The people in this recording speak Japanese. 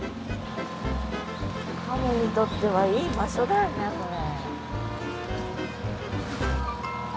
カモにとってはいい場所だよねこれ。